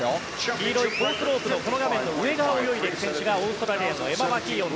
黄色いこのコースロープの上側を泳いでいく選手がオーストラリアのエマ・マキーオン。